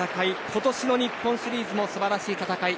今年の日本シリーズも素晴らしい戦い。